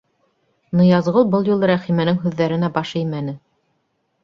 Ныязғол был юлы Рәхимәнең һүҙҙәренә баш эймәне: